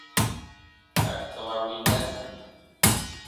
আর তোমার উইংম্যান?